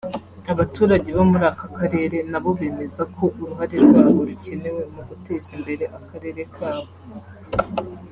Abaturage bo muri aka karere nabo bemeza ko uruhare rwabo rukenewe mu guteza imbere akarere kabo